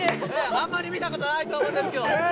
あんまり見たことないと思うんですけど。